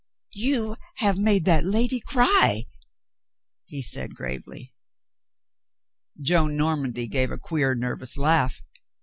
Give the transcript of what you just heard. "You have made that lady cry," he said gravely. Joan Normandy gave a queer, nervous laugh.